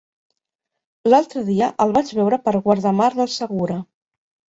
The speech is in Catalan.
L'altre dia el vaig veure per Guardamar del Segura.